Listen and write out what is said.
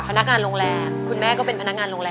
พนักงานโรงแรมคุณแม่ก็เป็นพนักงานโรงแรม